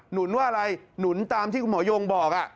นุนว่าอะไรหนุนตามที่คุณหมอยงบอก